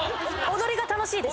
踊りが楽しいです。